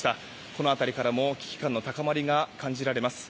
この辺りからも危機感の高まりが感じられます。